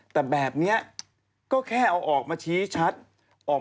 เท่านั้นเองมันจบ